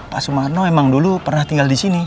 pak semarno emang dulu pernah tinggal disini